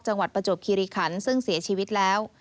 จังหวัดประจบคิริขันฯซึ่งเสียชีวิตแล้ว